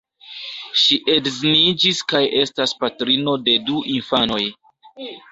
Ŝi edziniĝis kaj estas patrino de du infanoj.